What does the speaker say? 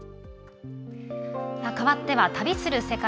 変わっては「旅する世界」。